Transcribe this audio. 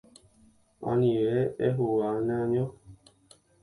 Anive ehuga neaño.